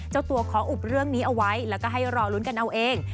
เจ้าตัวขออุบเรื่องนี้เอาไว้แล้วก็ให้รอลุ้นกันเอาเอง